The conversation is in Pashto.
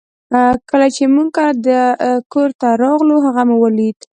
کله چې موږ کور ته راغلو هغه مو ولید